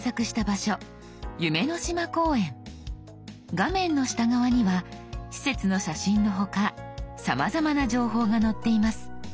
画面の下側には施設の写真の他さまざまな情報が載っています。